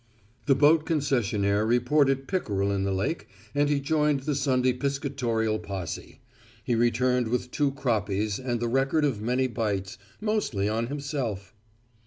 The boat concessionaire reported pickerel in the lake and he joined the Sunday piscatorial posse. He returned with two croppies and the record of many bites, mostly on himself.